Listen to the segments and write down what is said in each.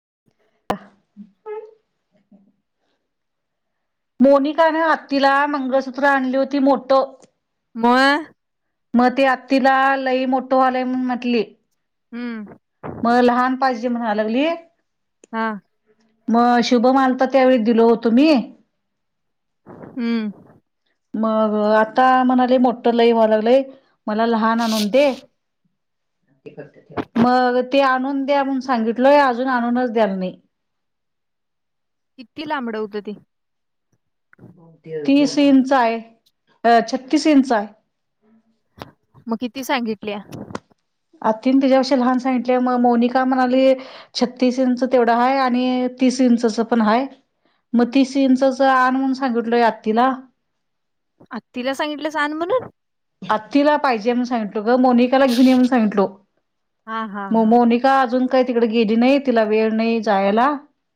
[inaudible] मोनिकान आत्तीला मंगळसूत्र आणली होती मोठ म मग ती आत्तीला लई मोठं व्हालय म्हण म्हटली. हम्म मग लहान पाहिजे म्हणा लागली. हां, मग शुभ मार्तक त्यावेळी दिलो होतो मी. हम्म मग आता म्हणाले मोठ लई व्हा लागलंय मला लहान आणून दे मग ते आणून द्या म्हणून सांगितलोय, अजून आणूनच द्याला नाही. किती लांबड होतं ते. तीस इंच आहे छत्तीस इंच आहे. मग किती सांगितल्या? आत्तीनं त्याच्यापेक्षा लहान सांगितल्या मग मोनिका म्हणाली छत्तीस इंच तेवढा हाय आणि तीस इंचच पण हाय. म हं. तीस इंचच आण म्हणून सांगितलोय आत्तीला. आत्तीला सांगितलीस आन म्हणून? आत्तीला पाहिजे म्हणून सांगीतलो. ग मोनिकाला घेऊन येऊन सांगितलो. हां, हां, म हां. मोनिका अजून काही तिकडे गेली नाही तिला वेळ नाही जायला.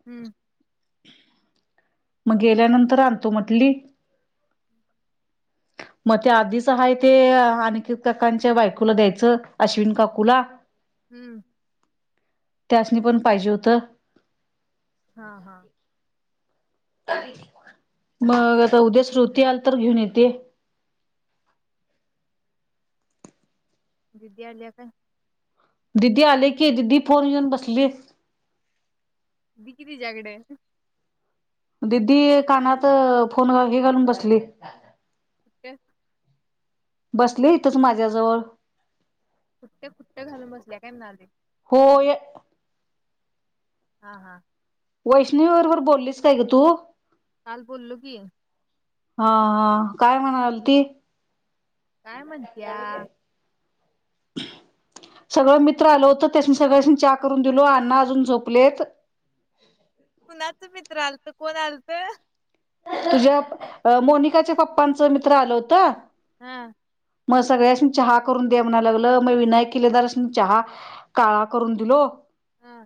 हम्म मग गेल्यानंतर आणतो म्हटली मग त्या आधीच हाय ते अनिकेत काकांच्या बायकोला द्यायचं अश्विन काकूला. हम्म त्यासनी पण पाहिजे होतं. हा हा मग आता उद्या श्रुती आली तर घेऊन येते. दीदी आल्या काय? दिदी आले की दिदी फोन घेऊन बसली. दी कि तीज्याकडं. दिदी कानात फोन हे घालून बसली. का बसले इथंच माझ्याजवळ खुट्ट खुट्ट घालून बसल्या काय म्हणालोय हो हा हा वैष्णवी बरोबर बोल्लीस काय गं तू? काल बोल्लो की. हा हा काय म्हणालती? काय म्हणत्या. सगळं मित्र आल होतं त्यास सगळ्यासनी चहा करून दिलो, अन्ना अजून झोपलेत. कुणाच मित्र आलत कोण आलतं. तुझ्या मोनिकाच्या पप्पांच मित्र आलं होत. हं. मग सगळ्यासनी चहा करून द्या म्हणाय लागलं मग विनायक किल्लेदारसनी चहा काळा करून दिलो. हां.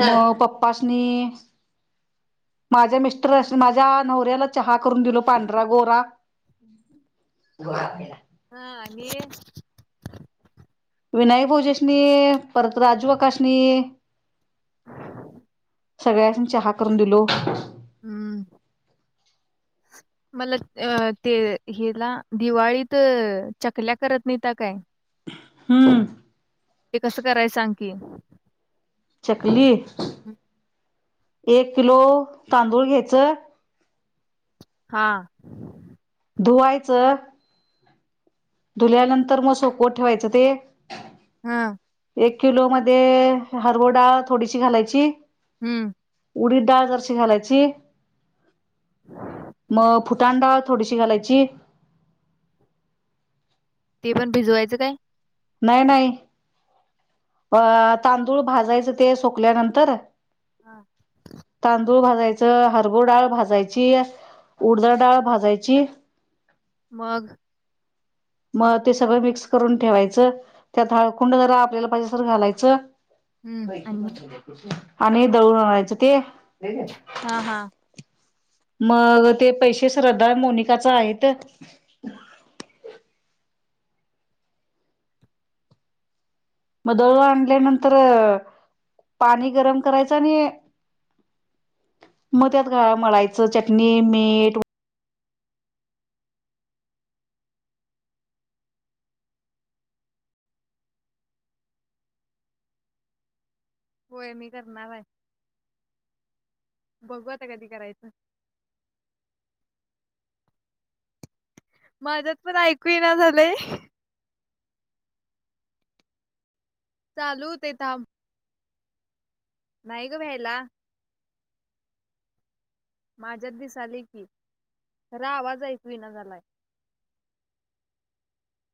आणि पप्पा मी माझ्या मिस्टर अस माझ्या नवऱ्याला चहा करून दिलो पांढरा गोरा हा आणि विनायक भोजेशनी परत राजू आकाशणी हा ह [unintelligible] सगळ्यासनी चहा करून दिलो. हम्म मला अ ते हिला दिवाळीत चकल्या करत नाहीता काय, हम्म ते कसं कराय सांग की, चकली एक किलो तांदूळ घ्यायचं, हा धुवायचं, धुल्यानंतर मग सोकवत ठेवायचं ते, हा एक किलो मध्ये हरभरा डाळ थोडीशी घालायची. हम्म उडीद डाळ जराशी घालायची. मग फुटाण डाळ थोडीशी घालायची. ते पण भिजवायचं काय? नाही नाही अ तांदूळ भाजायचं ते सोकल्यानंतर तांदुळ हां. तांदूळ भाजायचं, हरभूरा डाळ भाजायची, उडदाची डाळ भाजायची, मग मग ते सगळं मिक्स करून ठेवायचं, त्यात हळखुंड जरा आपल्याला पाहिजे असलं तर घालायचं. हं. म इथे पण आणि? चलतस [unintelligible] आणि दौ आणयचं ते. हा! हा! मग ते पैसे श्रद्धा मोनिकाच आहेत. म दळ आणल्यानंतर पाणी गरम करायचं आणि मग त्यात मळायचं चटणी मीठ. होय मी करणार आहे. बघू आता कधी करायचं माझ्यात पण ऐकू ना झालंय. चालू होते ताब. नाहीय ग बयला. माझ्यात दिसले की, खरा आवाज ऐकवि ना झालाय.